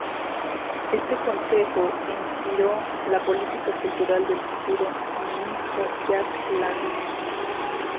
Este Consejo inspiró la política cultural del futuro ministro Jack Lang.